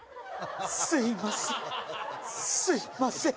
すいません